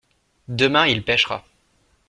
Demain il pêchera.